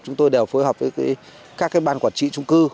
chúng tôi đều phối hợp với các ban quản trị trung cư